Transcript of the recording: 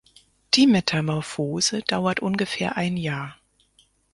Die Metamorphose dauert ungefähr ein Jahr.